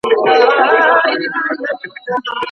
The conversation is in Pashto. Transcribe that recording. د بيعقل نابالغ کس طلاق هم نه واقع کيږي.